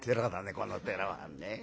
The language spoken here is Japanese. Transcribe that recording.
この寺はね。